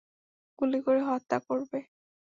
গুলি করে হত্যা করবে।